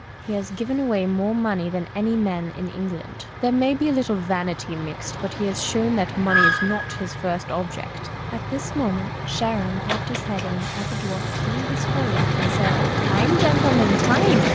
He has given away more money than any man in England. 15 PASTICHK AND PREJUDICE There may be a little \anity mixed, but he has shown that money is not his first object. At this moment Charon popped his head in at the door, pulling his forelock, and said, " Time, gen'lemen, time